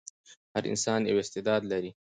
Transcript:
هر انسان یو استعداد لري.